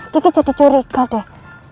kiki jadi curiga deh